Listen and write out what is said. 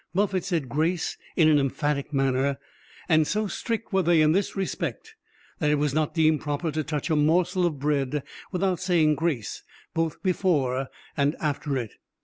Buffett said grace in an emphatic manner; and so strict were they in this respect, that it was not deemed proper to touch a morsel of bread without saying grace both before and after it.